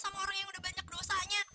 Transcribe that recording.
sama orang yang udah banyak dosanya